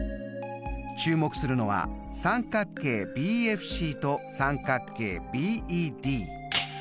注目するのは三角形ＢＦＣと三角形ＢＥＤ。